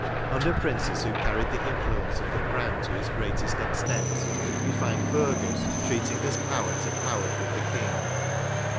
Under princes who carried the influence of the crown to its greatest extent, we find burghers treating as power to power with their king.